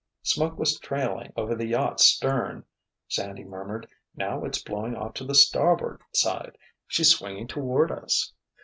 "Smoke was trailing over the yacht's stern," Sandy murmured. "Now it's blowing off to the starboard side. She's swinging toward us."